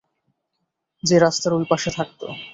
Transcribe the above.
যে রাস্তার ঐ পাশে থাকতো।